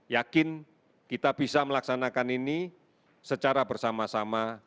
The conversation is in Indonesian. yakin kita bisa melaksanakan ini secara bersama sama